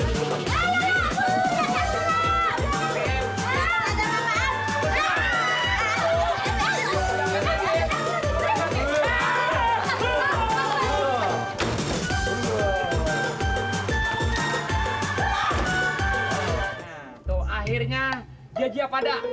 gua gak jadi masuk penjara dah